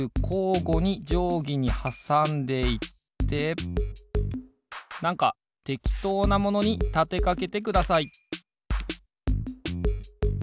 ごにじょうぎにはさんでいってなんかてきとうなものにたてかけてください